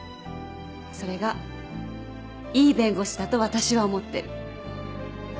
それがいい弁護士だと私は思ってる。